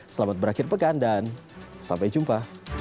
selamat berakhir pekan dan sampai jumpa